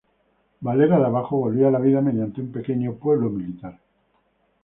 Valera de Abajo volvía a la vida mediante un pequeño pueblo militar.